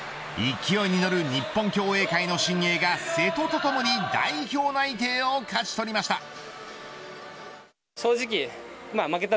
勢いに乗る日本競泳界の新鋭が瀬戸とともに代表内定を勝ち取りました。